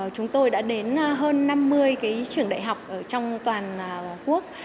chúng tôi đã đến hơn năm mươi trường đại học ở trong toàn quốc